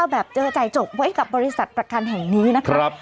แบบเจอจ่ายจบไว้กับบริษัทประกันแห่งนี้นะครับ